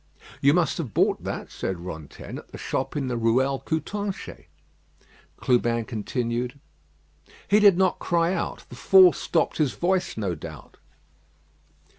"You must have bought that," said Rantaine, "at the shop in the Ruelle Coutanchez." Clubin continued: "He did not cry out. The fall stopped his voice, no doubt."